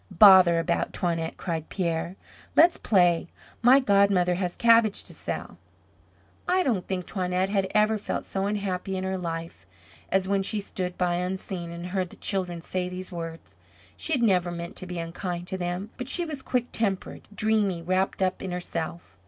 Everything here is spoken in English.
"Bother about Toinette," cried Pierre. "Let's play 'My godmother has cabbage to sell.'" I don't think Toinette had ever felt so unhappy in her life, as when she stood by unseen, and heard the children say these words. She had never meant to be unkind to them, but she was quick tempered, dreamy, wrapped up in herself.